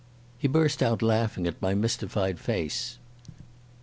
He burst out laughing at my mystified face.